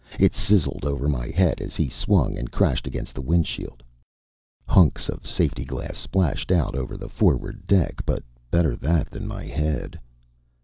It sizzled over my head as he swung and crashed against the windshield. Hunks of safety glass splashed out over the forward deck, but better that than my head.